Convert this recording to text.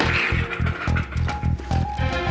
gak akan kecil